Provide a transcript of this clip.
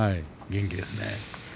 元気ですね。